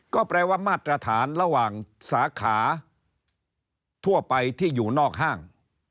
ก็แปลว่ามาตรฐานระหว่างสาขาทั่วไปที่อยู่นอกห้าง